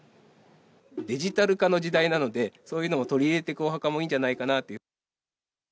デジタル化の時代なので、そういうのも取り入れていくお墓もいいんじゃないかなと。